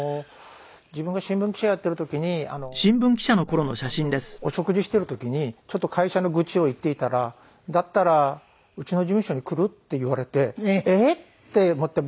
自分が新聞記者やっている時に梨元さんとお食事している時にちょっと会社の愚痴を言っていたら「だったらうちの事務所に来る？」って言われてえっ？って思って。